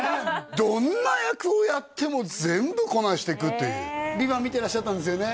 どんな役をやっても全部こなしていくという「ＶＩＶＡＮＴ」見てらっしゃったんですよね？